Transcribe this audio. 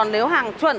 người ta ăn thử ăn